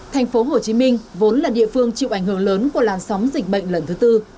thành phố hồ chí minh vốn là địa phương chịu ảnh hưởng lớn của làn sóng dịch bệnh lần thứ tư